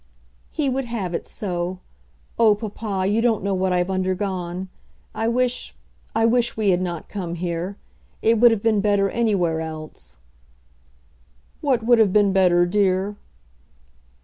"He would have it so. Oh, papa, you don't know what I've undergone. I wish, I wish we had not come here. It would have been better anywhere else." "What would have been better, dear?"